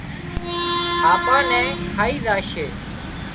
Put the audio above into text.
آپان نين کائي زاشي